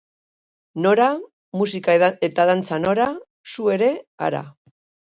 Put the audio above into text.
Nora, musika eta dantza nora, zu ere hara.